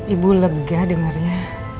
ibu lega dengarnya